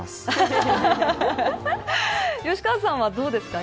吉川さんはどうですか。